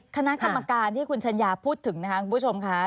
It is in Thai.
คณะกรรมการที่คุณชัญญาพูดถึงนะคะคุณผู้ชมค่ะ